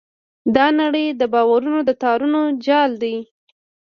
دا نړۍ د باورونو د تارونو جال دی.